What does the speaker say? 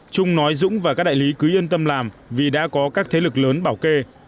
trung nói dũng và các đại lý cứ yên tâm làm vì đã có các thế lực lớn bảo kê